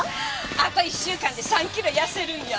あと１週間で３キロ痩せるんやて。